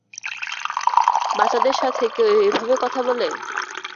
বাচ্চাদের সাথে কেউ এভাবে কথা বলে।